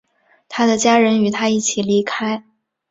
他的家人与他一起离开。